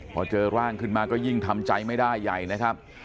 พอเจอร่างขึ้นมาก็ยิ่งทำใจไม่ได้ใหญ่นะครับ